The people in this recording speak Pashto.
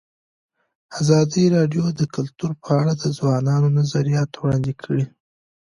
ازادي راډیو د کلتور په اړه د ځوانانو نظریات وړاندې کړي.